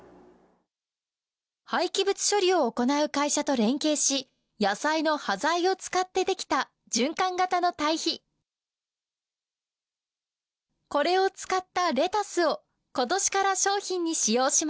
廃棄物処理を行う会社と連携し野菜の端材を使ってできたこれを使ったレタスを今年から商品に使用します。